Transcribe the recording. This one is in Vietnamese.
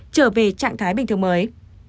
trở về trạng thái bình thường mới